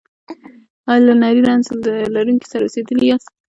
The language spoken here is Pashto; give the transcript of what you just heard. ایا له نري رنځ لرونکي سره اوسیدلي یاست؟